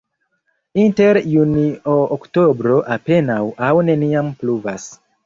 Inter junio-oktobro apenaŭ aŭ neniam pluvas.